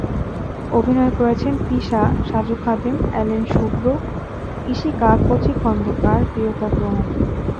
অভিনয় করেছেন তিশা, সাজু খাদেম, অ্যালেন শুভ্র, ইশিকা, কচি খন্দকার, প্রিয়তা প্রমুখ।